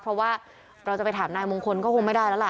เพราะว่าเราจะไปถามนายมงคลก็คงไม่ได้แล้วล่ะ